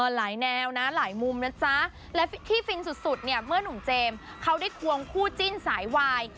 แนวนะหลายมุมนะจ๊ะและที่ฟินสุดเนี่ยเมื่อนุ่มเจมส์เขาได้ควงคู่จิ้นสายวาย